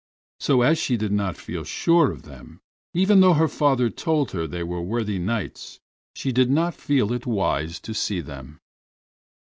So as she did not feel sure of them, even though her father told her they were worthy Knights, she did not feel it wise to see them.